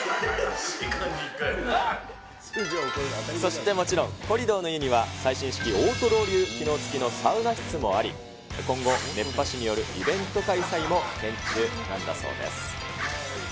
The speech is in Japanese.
そしてもちろん、コリドーの湯には最新式オートロウリュ機能付きのサウナ室もあり、今後、熱波師によるイベント開催も検討中なんだそうです。